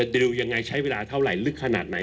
ติวยังไงใช้เวลาเท่าไหร่ลึกขนาดไหน